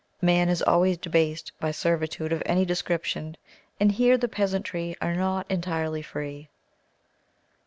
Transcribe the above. Man is always debased by servitude of any description, and here the peasantry are not entirely free.